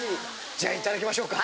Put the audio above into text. じゃあいただきましょうか。